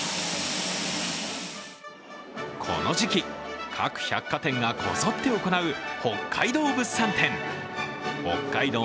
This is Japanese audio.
この時期、各百貨店がこぞって行う北海道